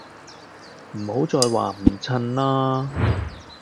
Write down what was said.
唔好再話唔襯啦